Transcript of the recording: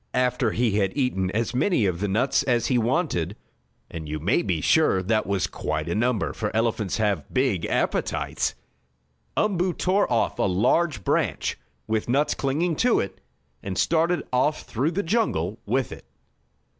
After he had eaten as many of the nuts as he wanted (and you may be sure that was quite a number, for elephants have big appetites) Umboo tore off a large branch, with nuts clinging to it and started off through the jungle with it.